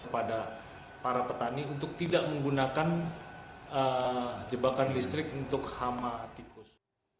kepada para petani untuk tidak menggunakan jebakan listrik untuk hama tikus